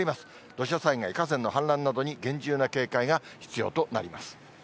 土砂災害、河川の氾濫などに厳重な警戒が必要となります。